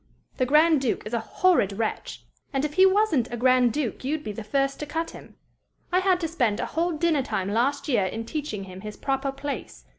"The Grand Duke is a horrid wretch, and if he wasn't a grand duke you'd be the first to cut him. I had to spend a whole dinner time last year in teaching him his proper place.